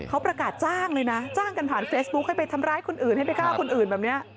เขาประกาศจ้างเลยนะจ้างกันผ่านเฟซบุ๊คให้ไปทำร้ายคนอื่นให้ไปฆ่าคนอื่นแบบนี้